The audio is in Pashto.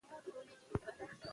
هغه غوښتل چي په هر قیمت پاچا وي.